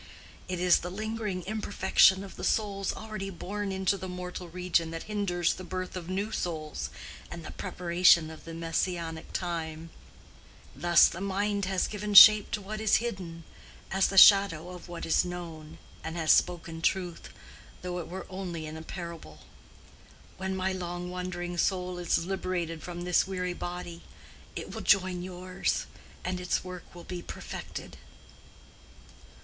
It is the lingering imperfection of the souls already born into the mortal region that hinders the birth of new souls and the preparation of the Messianic time:—thus the mind has given shape to what is hidden, as the shadow of what is known, and has spoken truth, though it were only in parable. When my long wandering soul is liberated from this weary body, it will join yours, and its work will be perfected."